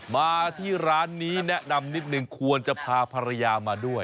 มาที่ร้านนี้แนะนำนิดนึงควรจะพาภรรยามาด้วย